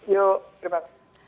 yuk terima kasih